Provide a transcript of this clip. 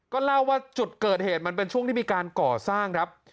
ก็เล่าว่าจุดเกิดเหตุมันเป็นช่วงที่มีการก่อสร้างครับ